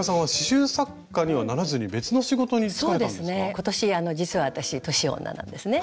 今年実は私年女なんですね。